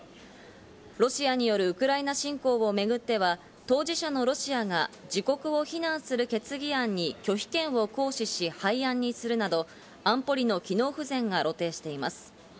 ロシアによるウクライナ侵攻をめぐっては、当事者のロシアが自国を非難する決議案に拒否権を行使し、廃案にするなど、安保理の機能不全が露呈しています。